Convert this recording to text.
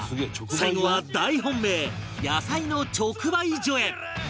最後は大本命野菜の直売所へ